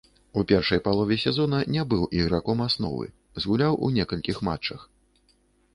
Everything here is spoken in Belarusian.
У першай палове сезона не быў іграком асновы, згуляў у некалькіх матчах.